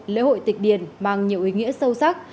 lễ hội tịch điền mang nhiều ý nghĩa sâu sắc